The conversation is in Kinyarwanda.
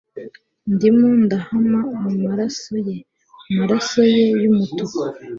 ndimo ndohama mumaraso ye, maraso ye yumutuku